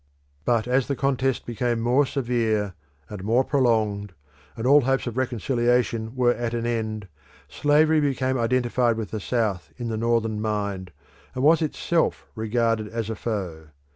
But as the contest became more severe and more prolonged, and all hopes of reconciliation were at an end, slavery became identified with the South in the Northern mind, and was itself regarded as a foe.